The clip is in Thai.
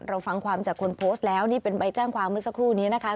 เราฟังความจากคนโพสต์แล้วนี่เป็นใบแจ้งความเมื่อสักครู่นี้นะคะ